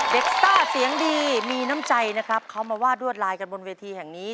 ซ่าเสียงดีมีน้ำใจนะครับเขามาวาดรวดลายกันบนเวทีแห่งนี้